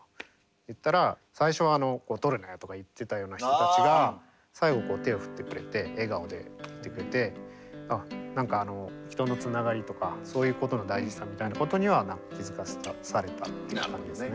行ったら最初は撮るなよとか言ってたような人たちが最後こう手を振ってくれて笑顔で振ってくれて何か人のつながりとかそういうことの大事さみたいなことには気付かされたっていう感じですね。